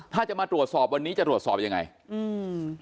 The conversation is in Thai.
ถ้าจะมาตรวจสอบวันนี้จะตรวจสอบยังไงอืม